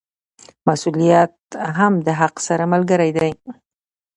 مسوولیت هم د حق سره ملګری دی.